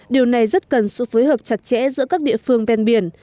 điều này rất cần sự phối hợp chặt chẽ giữa các địa phương ven biển